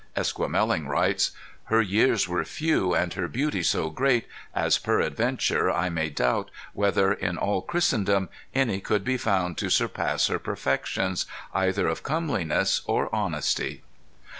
Esquemeling writes: "Her years were few, and her beauty so great as, peradventure, I may doubt whether, in all Christendom any could be found to surpass her perfections, either of comeliness or honesty."